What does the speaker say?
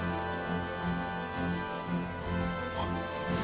あっ！